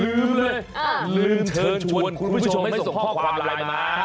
ลืมเลยลืมเชิญชวนคุณผู้ชมให้ส่งข้อความไลน์มา